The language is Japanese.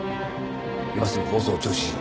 今すぐ放送を中止しろ。